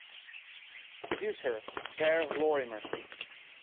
Producer: Vere Lorrimer.